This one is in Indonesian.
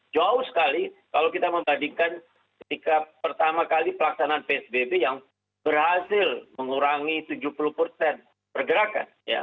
jauh sekali kalau kita membandingkan ketika pertama kali pelaksanaan psbb yang berhasil mengurangi tujuh puluh persen pergerakan